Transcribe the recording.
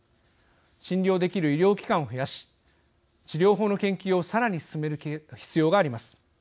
診療できる医療機関を増やし治療法の研究をさらに進める必要があります。